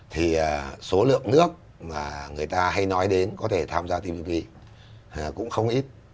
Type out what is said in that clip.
thì số lượng nước mà người ta hay nói đến có thể tham gia tbp cũng không ít